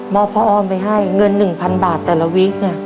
มอบพระออมไปให้เงินหนึ่งพันบาทแต่ละวิทย์เนี่ย